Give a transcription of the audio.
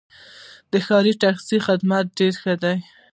د ښار ټکسي خدمات ډېر ښه دي.